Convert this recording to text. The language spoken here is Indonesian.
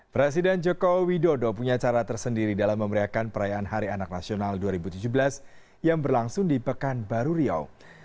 presiden joko widodo punya cara tersendiri dalam memeriakan perayaan hari anak nasional dua ribu tujuh belas yang berlangsung di pekanbaru riau